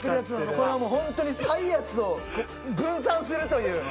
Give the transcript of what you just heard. これはもうホントに体圧を分散するという。